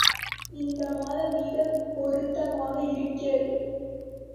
இந்த மாதம் மிகப் பொருத்தமாக இருக்கிறது.